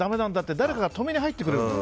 誰かが止めに入ってくれるんです。